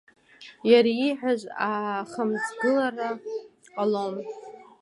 Иара ииҳәаз иахамҵгылар ҟалом.